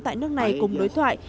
tại nước này cùng đối thoại